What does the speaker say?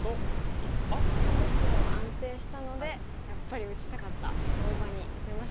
もう黒は安定したのでやっぱり打ちたかった大場に打てましたね。